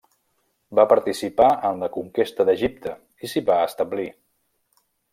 Va participar en la conquesta d'Egipte i s'hi va establir.